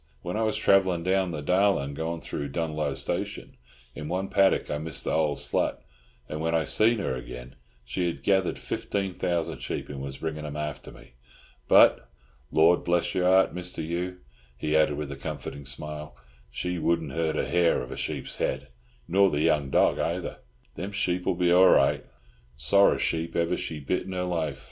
When I was travellin' down the Darlin', goin' through Dunloe Station, in one paddock I missed th' old slut, and when I see her again, she had gethered fifteen thousand sheep, and was bringin' 'em after me. But, Lord bless your heart, Mr. Hugh," he added with a comforting smile, "she wouldn't hurt a hair of a sheep's head, nor the young dog ayther. Them sheep'll be all right. Sorra sheep ever she bit in her life.